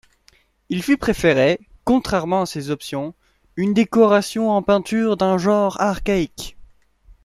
Il fut préféré, contrairement à ses options, une décoration en peintures d'un genre archaïque.